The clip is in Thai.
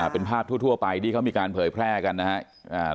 เป็นภาพทั่วไปที่เขามีการเผยแพร่กันนะครับ